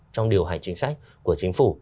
trong điều hành chính sách của chính phủ